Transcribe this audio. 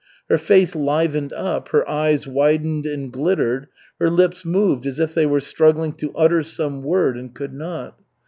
Her face livened up, her eyes widened and glittered, her lips moved as if they were struggling to utter some word and could not.